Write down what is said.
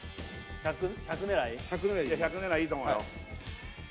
１００狙いいいと思うよ